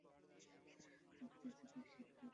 মুক্তিযোদ্ধার স্বীকৃতি সেই প্রয়োজনের প্রথম ধাপ।